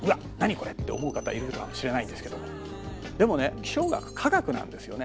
これって思う方いるかもしれないんですけどもでもね気象学科学なんですよね。